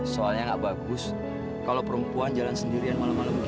soalnya nggak bagus kalau perempuan jalan sendirian malam malam